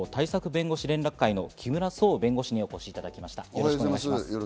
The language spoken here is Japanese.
弁護士連絡会の木村壮弁護士にお越しいただきました。